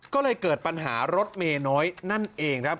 ก็เลยเกิดปัญหารถเมย์น้อยนั่นเองครับ